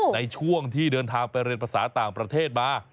ในช่วงที่เดินทางไปเรียนภาษาต่างประเทศมา